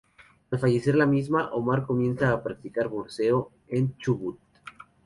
Al fallecer la misma, Omar comienza a practicar boxeo en Chubut.